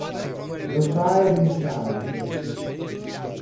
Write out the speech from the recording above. The Fire Inside